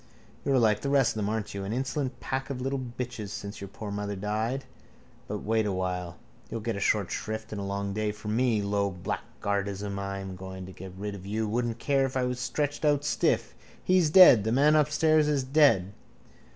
You're like the rest of them, are you? An insolent pack of little bitches since your poor mother died. But wait awhile. You'll all get a short shrift and a long day from me. Low blackguardism! I'm going to get rid of you. Wouldn't care if I was stretched out stiff. He's dead. The man upstairs is dead.